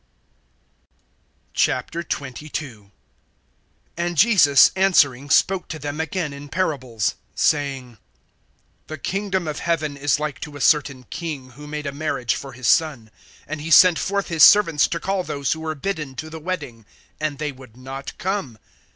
XXII. AND Jesus answering spoke to them again in parables, saying: (2)The kingdom of heaven is like to a certain king, who made a marriage for his son. (3)And he sent forth his servants to call those who were bidden to the wedding; and they would not come.